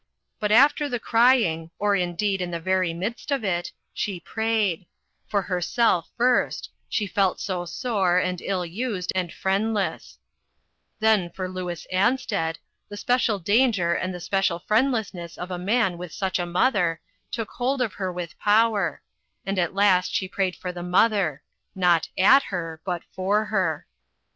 But after the crying or, indeed, in the very midst of it she pra}^ed : for herself first she felt so sore, and ill used, and friendless ; then for Louis Ansted the spe cial danger and the special friendlessness of a man with such a mother, took hold of her with power, and at last she prayed for the mother ; not at her, but for her.